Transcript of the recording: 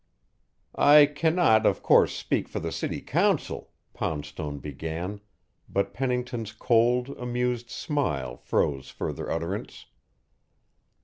"I cannot, of course, speak for the city council " Poundstone began, but Pennington's cold, amused smile froze further utterance.